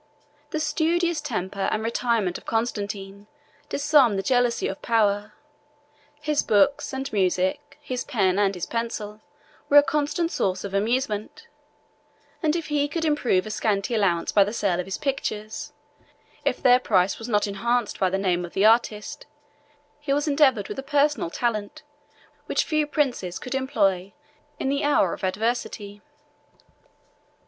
The studious temper and retirement of Constantine disarmed the jealousy of power: his books and music, his pen and his pencil, were a constant source of amusement; and if he could improve a scanty allowance by the sale of his pictures, if their price was not enhanced by the name of the artist, he was endowed with a personal talent, which few princes could employ in the hour of adversity.